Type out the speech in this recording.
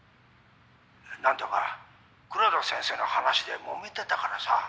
何だか黒田先生の話でもめてたからさ。